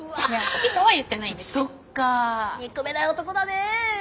そっか憎めない男だね。